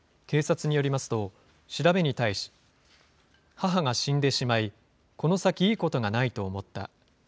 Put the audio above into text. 警察によりますと、調べに対し、母が死んでしまい、この先いいことがないと思った。